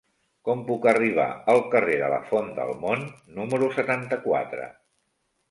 Com puc arribar al carrer de la Font del Mont número setanta-quatre?